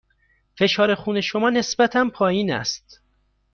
فشار خون شما نسبتاً پایین است.